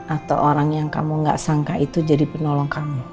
atau orang yang kamu gak sangka itu jadi penolong kamu